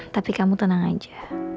tapi kamu tenang aja